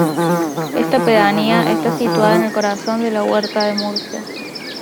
Esta pedanía está situada en el corazón de la Huerta de Murcia.